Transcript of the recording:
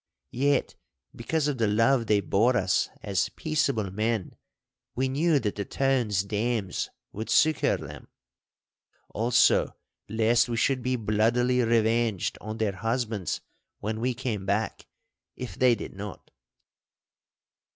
Yet, because of the love they bore us as peaceable men, we knew that the town's dames would succour them—also lest we should be bloodily revenged on their husbands when we came back, if they did not.